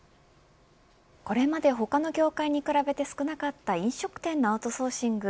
これまで他の業界に比べて少なかった飲食店のアウトソーシング。